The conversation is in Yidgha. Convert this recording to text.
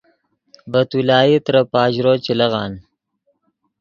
ڤے تولائی ترے پاژرو چے لیغان